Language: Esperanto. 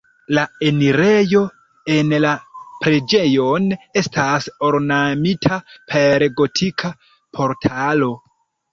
La enirejo en la preĝejon estas ornamita per gotika portalo.